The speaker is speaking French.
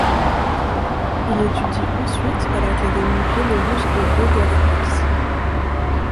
Il étudie ensuite à l'académie biélorusse de Daugavpils.